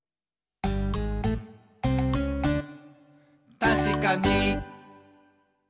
「たしかに！」